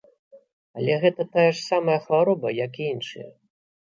Але гэта такая ж самая хвароба, як і іншыя.